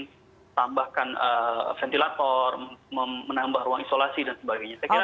kita bisa tambahkan ventilator menambah ruang isolasi dan sebagainya